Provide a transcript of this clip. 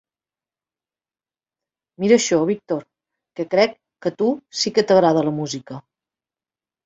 Mira això, Víctor, que crec que a tu sí que t'agrada la música.